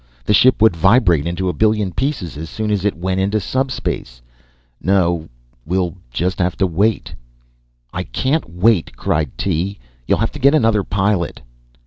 The ship would vibrate into a billion pieces as soon as it went into subspace. No! We'll just have to wait." "I can't wait," cried Tee. "You'll have to get another pilot."